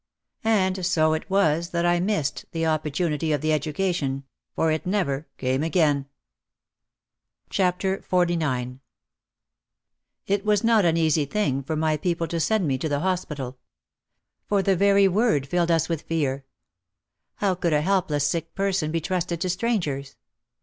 And so it was that I missed the opportunity of the education, for it never came again. OUT OF THE SHADOW 233 XLIX It was not an easy thing for my people to send me to the hospital. For the very word filled us with fear. How could a helpless sick person be trusted to strangers